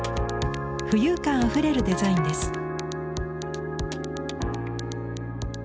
浮遊感あふれるデザインです。